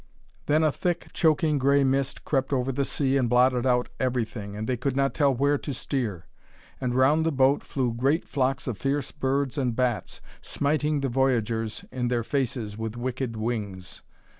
Then a thick, choking, grey mist crept over the sea and blotted out everything, and they could not tell where to steer. And round the boat flew great flocks of fierce birds and bats, smiting the voyagers in their faces with wicked wings.